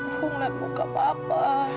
aku melihat muka papa